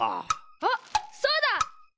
あっそうだ！